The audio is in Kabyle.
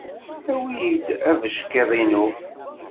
Awi-iyi-d abeckiḍ-inu.